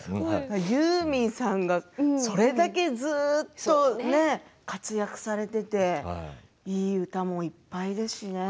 ユーミンさんがそれだけずっと活躍されていていい歌もいっぱいですしね。